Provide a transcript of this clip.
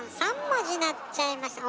３文字なっちゃいました。